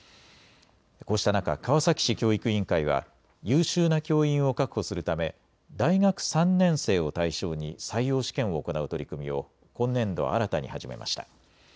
こうした中、川崎市教育委員会は優秀な教員を確保するため大学３年生を対象に採用試験を行う取り組みを今年度新たに始めました。